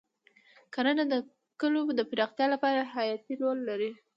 کرنه د کلیو د پراختیا لپاره حیاتي رول لري.